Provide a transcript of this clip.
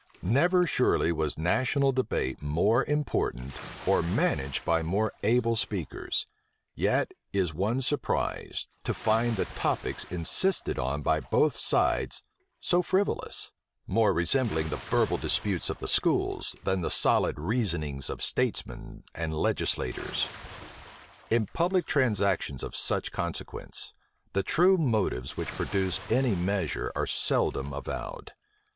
Never surely was national debate more important, or managed by more able speakers; yet is one surprised to find the topics insisted on by both sides so frivolous; more resembling the verbal disputes of the schools, than the solid reasonings of statesmen and legislators. In public transactions of such consequence, the true motives which produce any measure are seldom avowed.